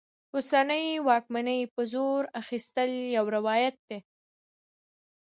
اوسنۍ واکمنۍ په زور اخیستل یو روایت دی.